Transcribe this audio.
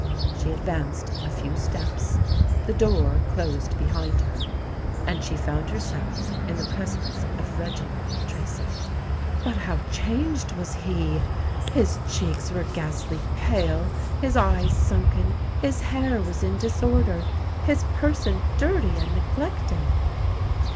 She advanced a few steps: the door closed behind her; and she found herself in the presence of Reginald Tracy. But how changed was he! His cheeks were ghastly pale—his eyes sunken—his hair was in disorder—his person dirty and neglected.